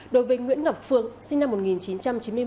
đối với nguyễn ngọc phượng sinh năm một nghìn chín trăm chín mươi một